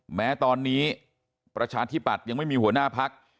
แม้ตอนนี้ประชาธิปัตย์ยังไม่มีหัวหน้าพัก